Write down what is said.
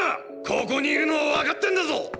ここにいるのはわかってンだぞォ！！